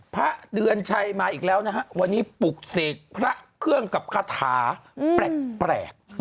พระเดือนชัยมาอีกแล้วนะฮะวันนี้ปลุกเสกพระเครื่องกับคาถาแปลก